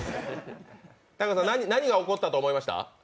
何が起こったと思いました？